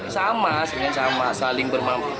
sama sering sering sama saling bermampu